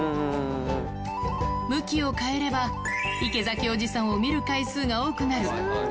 向きを変えれば、池崎おじさんを見る回数が多くなる。